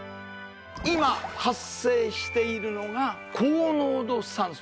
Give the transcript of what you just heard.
今発生しているのが高濃度酸素